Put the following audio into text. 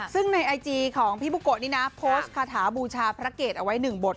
ซึ่งในไอจีของพี่บุโกะนี่นะโพสต์คาถาบูชาพระเกตเอาไว้๑บท